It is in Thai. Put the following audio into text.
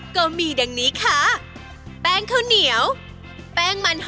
ค่ะเขา